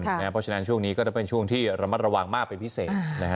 เพราะฉะนั้นช่วงนี้ก็จะเป็นช่วงที่ระมัดระวังมากเป็นพิเศษ